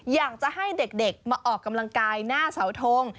อยากจะให้เด็กมาออกกำลังกายหน้าเสาทง